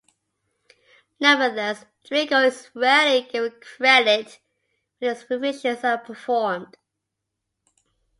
Nevertheless, Drigo is rarely given credit when his revisions are performed.